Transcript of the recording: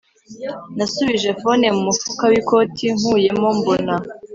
Nasubije phone mu mufuka wikoti nkuyemo mbona